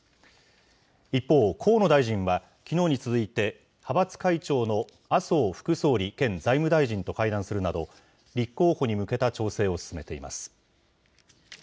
一方、河野大臣は、きのうに続いて、派閥会長の麻生副総理兼財務大臣と会談するなど、立候補に向けた調整を進めています。